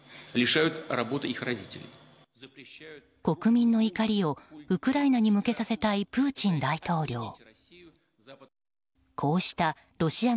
国民の怒りをウクライナに向けさせたいプーチン大統領。